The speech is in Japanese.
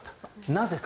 なぜか。